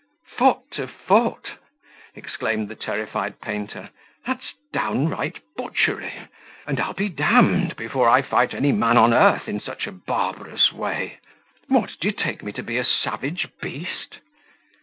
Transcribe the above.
"Foot to foot!" exclaimed the terrified painter: "that's downright butchery; and I'll be d before I fight any man on earth in such a barbarous way. What! d'ye take me to be a savage beast?"